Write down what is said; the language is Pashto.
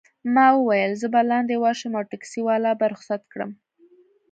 ما وویل: زه به لاندي ورشم او ټکسي والا به رخصت کړم.